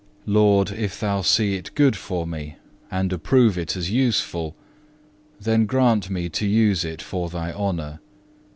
Lord, if thou see it good for me, and approve it as useful, then grant me to use it for Thy honour.